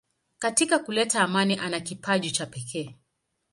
Katika kuleta amani ana kipaji cha pekee.